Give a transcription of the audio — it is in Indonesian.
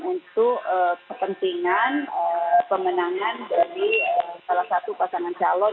untuk kepentingan pemenangan dari salah satu pasangan calon